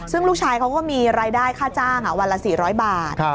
ซึ่งลูกชายเขาก็มีรายได้ค่าจ้างวันละ๔๐๐บาท